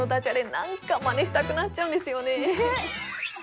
何かマネしたくなっちゃうんですよね